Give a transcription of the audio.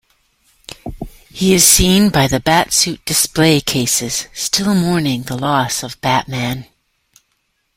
He is seen by the Bat-Suit display cases, still mourning the loss of Batman.